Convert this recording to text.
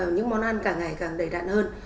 những món ăn càng ngày càng đầy đạn hơn